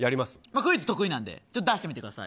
クイズ得意なんでちょっと出してみてください。